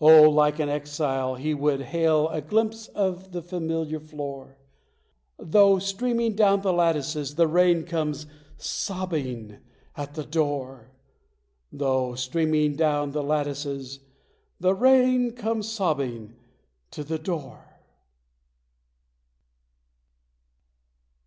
Oh, like an exile, he would hail a glimpse of the familiar floor, Though, streaming down the lattices, the rain comes sobbing to the door! Though, streaming down the lattices, The rain comes sobbing to the door!